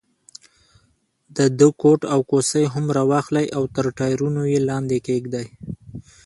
د ده کوټ او کوسۍ هم را واخلئ او تر ټایرونو یې لاندې کېږدئ.